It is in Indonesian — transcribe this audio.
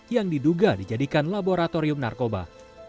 yang diduga dijadikan laboratorium narkoba